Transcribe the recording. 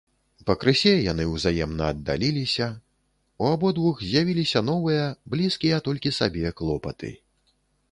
Пакрысе яны ўзаемна аддаліліся, у абодвух з’явіліся новыя, блізкія толькі сабе клопаты.